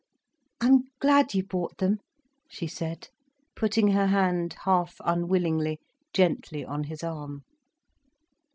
"I'm glad you bought them," she said, putting her hand, half unwillingly, gently on his arm.